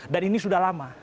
dan ini sudah lama